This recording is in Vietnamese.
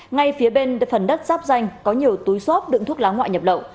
ngay phía bên phần đất sắp ranh có nhiều túi xốp đựng thuốc láng ngoại nhập lậu